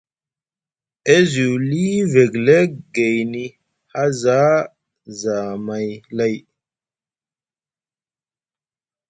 E zuuli vegelek gayni haaja za zamai lai.